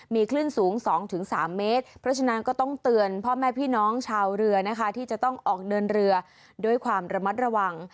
มีคลื่นสูง๒๓เมตรเพราะฉะนั้นก็ต้องเตือนพ่อแม่พี่น้องชาวเรือนะคะที่จะต้องออกเดินเรือด้วยความระมัดระวัง